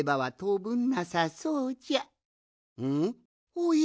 おや？